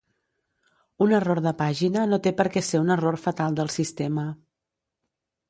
Un error de pàgina no té per què ser un error fatal del sistema.